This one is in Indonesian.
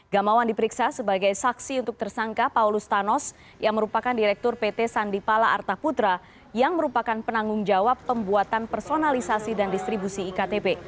gamawan diperiksa sebagai saksi untuk tersangka paulus thanos yang merupakan direktur pt sandipala arta putra yang merupakan penanggung jawab pembuatan personalisasi dan distribusi iktp